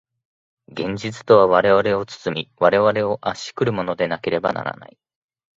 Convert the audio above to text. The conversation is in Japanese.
現実とは我々を包み、我々を圧し来るものでなければならない。